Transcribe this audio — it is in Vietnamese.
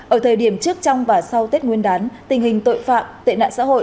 ở thời điểm trước trong và sau tết nguyên đán tình hình tội phạm tệ nạn xã hội